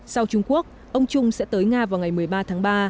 sau trung quốc ông trung sẽ tới nga vào ngày một mươi ba tháng ba